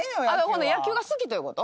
野球が好きということ？